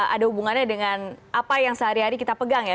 ada hubungannya dengan apa yang sehari hari kita pegang ya